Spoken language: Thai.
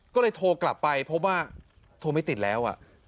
ก็เลยโทรกลับไปพบว่าโทรไม่ติดแล้ว